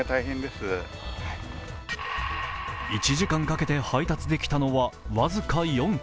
１時間かけて配達できたのはわずか４。